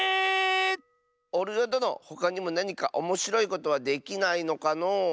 おるよどのほかにもなにかおもしろいことはできないのかのう？